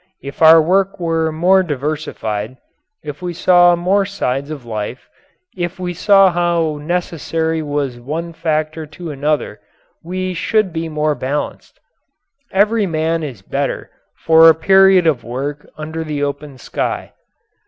If our work were more diversified, if we saw more sides of life, if we saw how necessary was one factor to another, we should be more balanced. Every man is better for a period of work under the open sky.